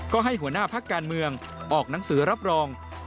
ก็ให้หัวหน้าพักการเมืองออกหนังสือรับรอง